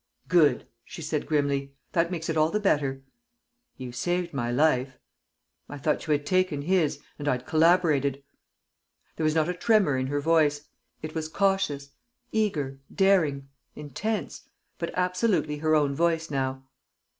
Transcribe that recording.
"Good!" she said grimly. "That makes it all the better." "You saved my life." "I thought you had taken his and I'd collaborated!" There was not a tremor in her voice; it was cautious, eager, daring, intense, but absolutely her own voice now.